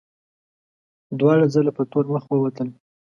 دواړه ځله په تور مخ ووتل.